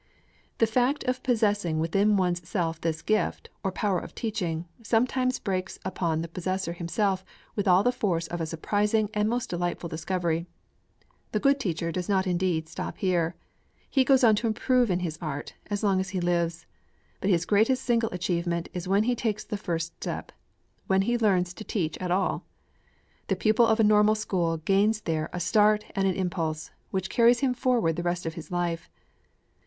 The fact of possessing within one's self this gift, or power of teaching, sometimes breaks upon the possessor himself with all the force of a surprising and most delightful discovery. The good teacher does not indeed stop here. He goes on to improve in his art, as long as he lives. But his greatest single achievement is when he takes the first step, when he first learns to teach at all. The pupil of a Normal School gains there a start and an impulse, which carry him forward the rest of his life.